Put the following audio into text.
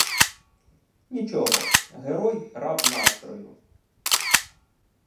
Нічого, герой — раб настрою.